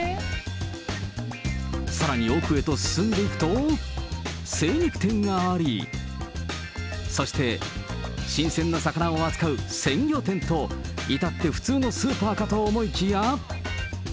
さらに奥へと進んでいくと、精肉店があり、そして新鮮な魚を扱う鮮魚店と、至って普通のスーパーかと思いきや。